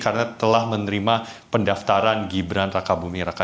karena telah menerima pendaftaran gibran raka buming raka